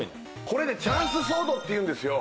これねチャンスソードっていうんですよ